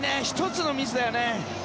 １つのミスだよね。